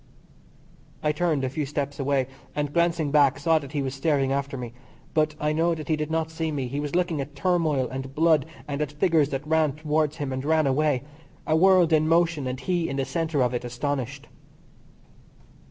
I turned a few steps away, and glancing back saw that he was staring after me, but I know that he did not see me he was looking at turmoil, and blood, and at figures that ran towards him and ran away a world in motion and he in the centre of it astonished.